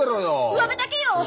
うわべだけよ！